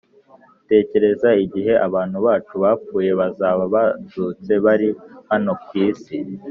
Tekereza igihe abantu bacu bapfuye bazaba bazutse bari hano ku isi!